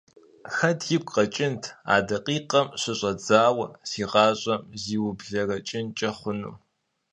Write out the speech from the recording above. Хэт игу къэкӀынт а дакъикъэм щыщӀэдзауэ си гъащӀэм зиублэрэкӀынкӀэ хъуну…